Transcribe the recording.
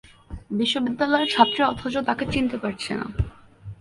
বিশ্ববিদ্যালয়ের ছাত্রী অথচ তাঁকে চিনতে পারছে না।